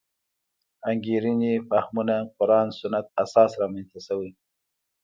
انګېرنې فهمونه قران سنت اساس رامنځته شوې.